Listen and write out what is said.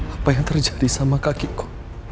apa yang terjadi sama kakiku